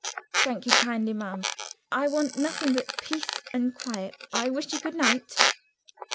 "Thank you kindly, ma'am. I want nothing but peace and quiet. I wish you good night."